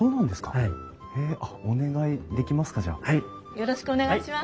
よろしくお願いします。